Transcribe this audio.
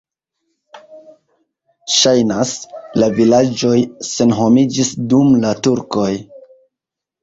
Ŝajnas, la vilaĝoj senhomiĝis dum la turkoj.